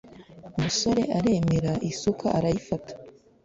" umusore aremera isuka arayifata.